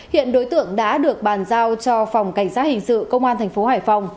hiện đối tượng đã được bàn giao cho phòng cảnh sát hình sự công an tp hải phòng